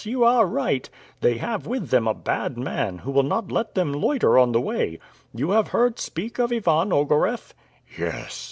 you are right; they have with them a bad man, who will not let them loiter on the way. You have heard speak of Ivan Ogareff?" "Yes."